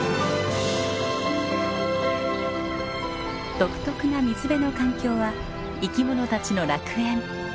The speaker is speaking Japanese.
独特な水辺の環境は生き物たちの楽園。